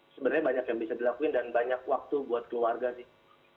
sebenarnya banyak yang bisa dilakuin dan banyak waktu buat keluarga sih